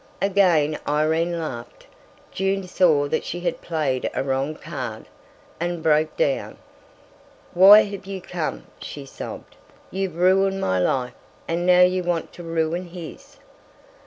Again Irene laughed. June saw that she had played a wrong card, and broke down. "Why have you come?" she sobbed. "You've ruined my life, and now you want to ruin his!"